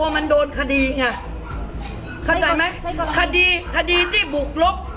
ว่าตัวมันโดนคดีเนี่ยค่ะใจไหมคดีคดีที่บุกลบ